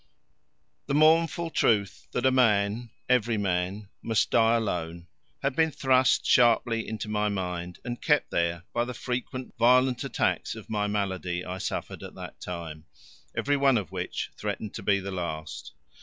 The mournful truth that a man every man must die alone, had been thrust sharply into my mind and kept there by the frequent violent attacks of my malady I suffered at that time, every one of which threatened to be the last.